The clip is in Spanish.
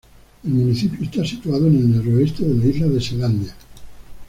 El municipio está situado en el noroeste de la isla de Selandia.